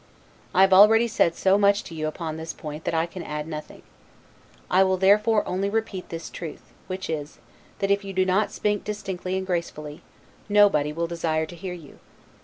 I have already said so much to you upon this point that I can add nothing. I will therefore only repeat this truth, which is, that if you will not speak distinctly and graceful, nobody will desire to hear you.